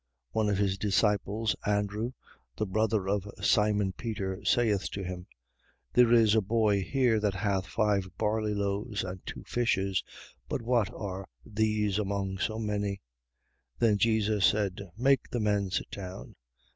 6:8. One of his disciples, Andrew, the brother of Simon Peter, saith to him: 6:9. There is a boy here that hath five barley loaves and two fishes. But what are these among so many? 6:10. Then Jesus said: Make the men sit down.